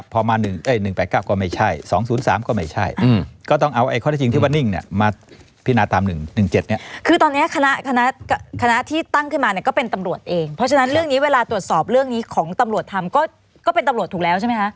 คุณพี่ผู้ใบกฏลอดทำก็เป็นตำรวจถูกแล้วใช่มั้ยครับ